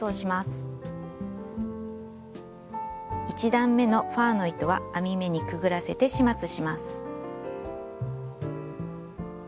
１段めのファーの糸は編み目にくぐらせて始末します。